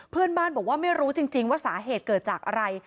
เพื่อนบ้านบอกว่าไม่รู้จริงว่าสาเหตุเกิดจากอะไร